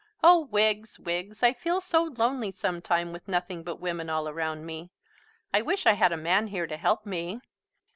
Oh, Wiggs, Wiggs, I feel so lonely sometimes with nothing but women all around me. I wish I had a man here to help me."